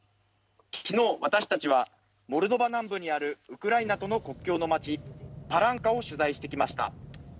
昨日、私たちはモルドバ南部にあるウクライナとの国境の街、パランカを取材してきました。